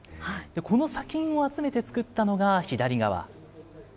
この砂金を集めて作ったのが、左側。